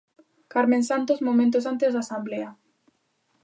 Carmen Santos momentos antes da asemblea.